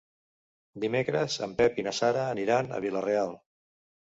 Dimecres en Pep i na Sara aniran a Vila-real.